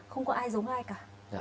không có ai giống ai cả